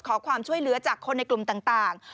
ขอความช่วยเหลือจากคนในกลุ่มต่าง